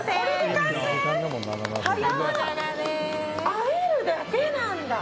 あえるだけなんだ。